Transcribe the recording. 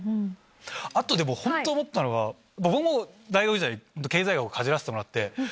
あと本当思ったのが僕も大学時代経済学をかじらせてもらって。